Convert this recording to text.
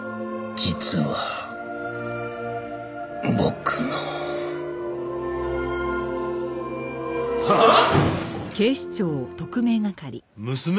実は僕の。はあ！？娘？